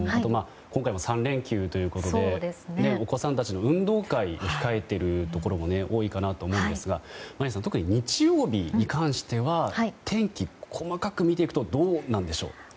今回も３連休ということでお子さんたちの運動会を控えているところも多いかと思うんですが眞家さん、特に日曜日に関しては天気、細かく見ていくとどうなんでしょう。